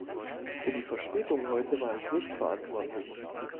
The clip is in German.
Für die Verspätung heute war ich nicht verantwortlich.